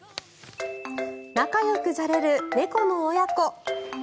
仲よくじゃれる猫の親子。